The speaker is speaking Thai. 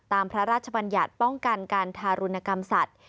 พระราชบัญญัติป้องกันการทารุณกรรมสัตว์